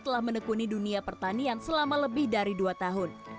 telah menekuni dunia pertanian selama lebih dari dua tahun